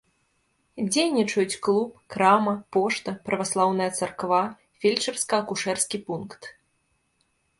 Дзейнічаюць клуб, крама, пошта, праваслаўная царква, фельчарска-акушэрскі пункт.